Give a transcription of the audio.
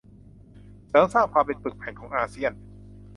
เสริมสร้างความเป็นปึกแผ่นของอาเซียน